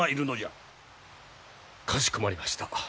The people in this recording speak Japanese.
かしこまりました。